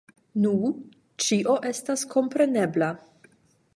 Nu, ĉio estas komprenebla.